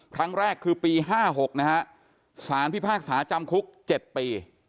ครั้งแรกคือปี๕๖นะฮะสารพิพากษาจำคุก๗ปี